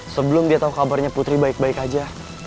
sebelum dia tahu kabarnya putri baik baik aja